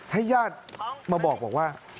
ให้ญาติมาบอกว่า